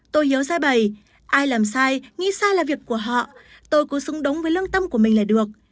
tô hiếu ra bày ai làm sai nghĩ sai là việc của họ tôi cứ xung đống với lương tâm của mình là được